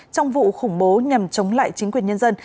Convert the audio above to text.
trong vụ khủng bố nhằm chống lại chính quyền nhân dân